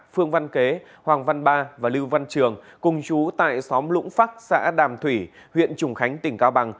phương văn kế hoàng văn ba và lưu văn trường cùng chú tại xóm lũng phấc xã đàm thủy huyện trùng khánh tỉnh cao bằng